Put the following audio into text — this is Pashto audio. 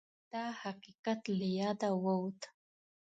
دا حقیقت له یاده ووت